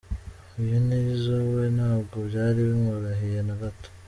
Uyu ni Nizzo we ntabwo byari bimworoheye nagato!.